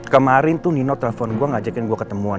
kemarin tuh nino telepon gue ngajakin gue ketemuan